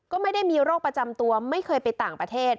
ก็ไม่ได้มีโรคประจำตัวไม่เคยไปต่างประเทศ